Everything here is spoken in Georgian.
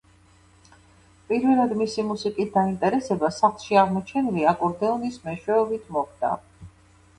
პირველად მისი მუსიკით დაინტერესება სახლში აღმოჩენილი აკორდეონის მეშვეობით მოხდა.